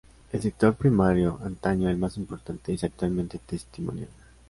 El sector primario, antaño el más importante, es actualmente testimonial.